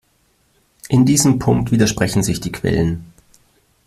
In diesem Punkt widersprechen sich die Quellen.